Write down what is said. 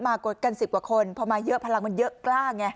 กัน๑๐กว่าคนพอมาเยอะพลังมันเยอะกล้าไง